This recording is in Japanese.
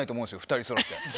２人そろって。